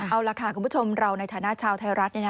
เอาล่ะค่ะคุณผู้ชมเราในฐานะชาวไทยรัฐ